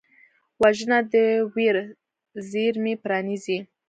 وژنه د ویر زېرمې پرانیزي